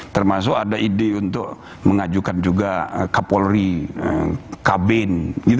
termasuk ada ide untuk mengajukan juga kapolri kabin